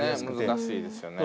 難しいですよね。